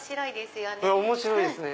面白いですよね。